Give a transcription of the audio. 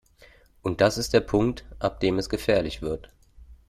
Und das ist der Punkt, ab dem es gefährlich wird.